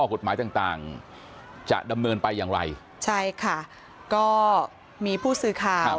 กฎหมายต่างต่างจะดำเนินไปอย่างไรใช่ค่ะก็มีผู้สื่อข่าว